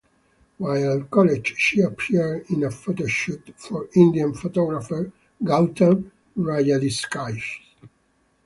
While at college she appeared in a photoshoot for Indian photographer Gautam Rajadhyaksha.